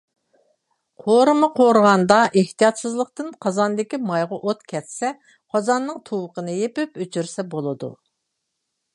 قورۇما قورۇغاندا ئېھتىياتسىزلىقتىن قازاندىكى مايغا ئوت كەتسە، قازاننىڭ تۇۋىقىنى يېپىپ ئۆچۈرسە بولىدۇ.